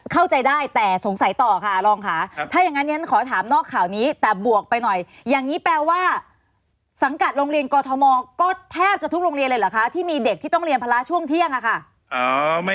เข้าใจได้แต่สงสัยต่อค่ะรองค่ะถ้าอย่างนั้นฉันขอถามนอกข่าวนี้แต่บวกไปหน่อยอย่างนี้แปลว่าสังกัดโรงเรียนกอทมก็แทบจะทุกโรงเรียนเลยเหรอคะที่มีเด็กที่ต้องเรียนภาระช่วงเที่ยงอะค่ะ